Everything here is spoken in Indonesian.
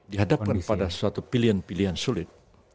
dihadapkan pada suatu pilihan pilihan sulit